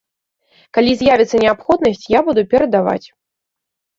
Калі з'явіцца неабходнасць, я буду перадаваць.